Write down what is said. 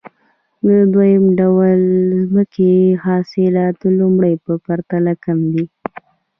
د دویم ډول ځمکې حاصلات د لومړۍ په پرتله کم دي